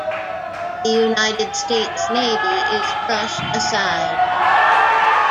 The United States Navy is brushed aside.